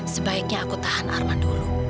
sebaiknya aku tahan arman dulu